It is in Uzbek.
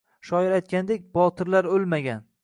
Shoir aytganidek, botirlar o‘lmagan.